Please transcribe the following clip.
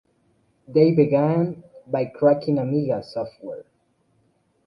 They began by cracking Amiga software.